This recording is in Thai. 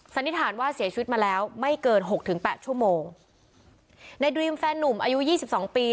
สันนิษฐานว่าเสียชีวิตมาแล้วไม่เกินหกถึงแปดชั่วโมงในดรีมแฟนหนุ่มอายุยี่สิบสองปี